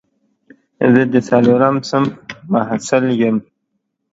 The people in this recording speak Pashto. زه د څلورم صنف محصل یم